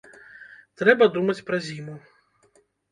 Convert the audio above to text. Трэба думаць пра зіму.